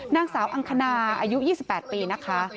นางสาวอังคณาอายุ๒๘ปีนะคะ